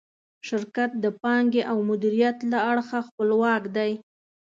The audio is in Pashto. شرکت د پانګې او مدیریت له اړخه خپلواک دی.